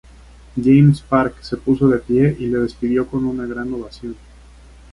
James Park se puso de pie y le despidió con una gran ovación.